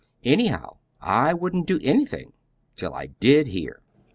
"Anyhow, I wouldn't do anything till I did hear."